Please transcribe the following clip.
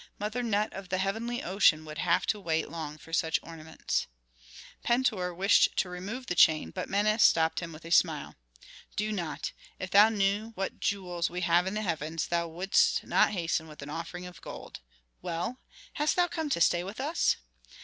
Mother Nut of the heavenly ocean would have to wait long for such ornaments." Pentuer wished to remove the chain, but Menes stopped him with a smile. "Do not. If thou knew what jewels we have in the heavens thou wouldst not hasten with an offering of gold. Well, hast thou come to stay with us?"